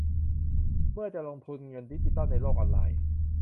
เมื่อจะลงทุนเงินดิจิทัลในโลกออนไลน์